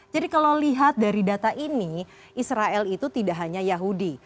jadi kalau lihat dari data ini israel itu tidak hanya yahudi